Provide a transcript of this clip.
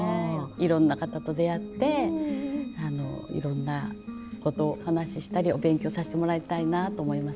いろんな方と出会っていろんなことお話ししたりお勉強させてもらいたいなと思います